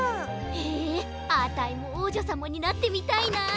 へえあたいもおうじょさまになってみたいな。